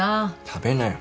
食べなよ。